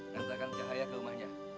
dan terangkan cahaya ke rumahnya